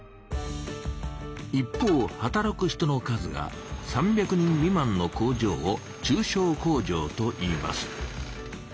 一方働く人の数が３００人未満の工場を「中小工場」といいます。